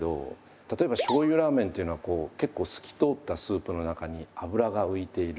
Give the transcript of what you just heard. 例えばしょうゆラーメンというのは結構透き通ったスープの中に脂が浮いている。